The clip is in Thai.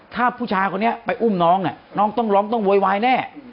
ถ้าผู้ชายคนนี้ไปอุ้มน้องเนี่ยน้องต้องร้องต้องโวยวายแน่